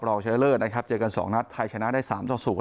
ลองใช้เลิศนะครับเจอกันสองนัดไทยชนะได้สามต่อศูนย์